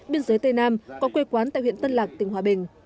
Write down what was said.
biên giới tây nam có quê quán tại huyện tân lạc tỉnh hòa bình